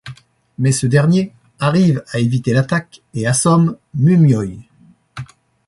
Mais ce dernier arrive à éviter l'attaque et assomme Mumyōi.